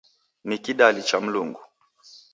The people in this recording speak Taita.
Ni kidali cha Mlungu.